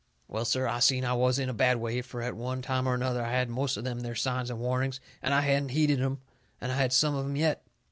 Well, sir, I seen I was in a bad way, fur at one time or another I had had most of them there signs and warnings, and hadn't heeded 'em, and I had some of 'em yet.